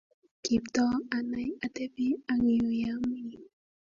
Kiptoo anai atepi ang yu ya amii